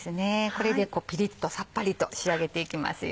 これでピリっとサッパリと仕上げていきますよ。